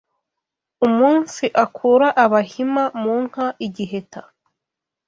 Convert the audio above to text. Umunsi akura Abahima mu nka i Giheta